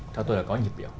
cho tôi là có nhịp biểu